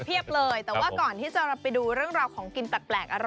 เพียบเลยแต่ว่าก่อนที่จะเราไปดูเรื่องราวของกินแปลก